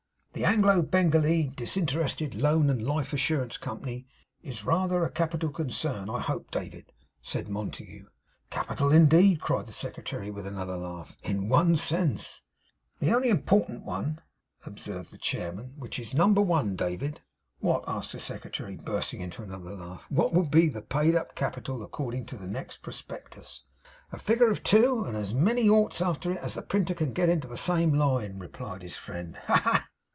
'The Anglo Bengalee Disinterested Loan and Life Assurance Company is rather a capital concern, I hope, David,' said Montague. 'Capital indeed!' cried the secretary, with another laugh ' in one sense.' 'In the only important one,' observed the chairman; 'which is number one, David.' 'What,' asked the secretary, bursting into another laugh, 'what will be the paid up capital, according to the next prospectus?' 'A figure of two, and as many oughts after it as the printer can get into the same line,' replied his friend. 'Ha, ha!